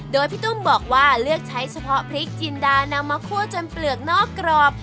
โดยพี่ตุ้มบอกว่าเลือกใช้เฉพาะพริกจินดานำมาคั่วจนเปลือกนอกกรอบ